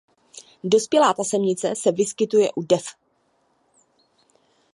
Dospělá tasemnice se vyskytuje u def.